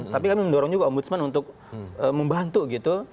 tapi kami mendorong juga om budsman untuk membantu gitu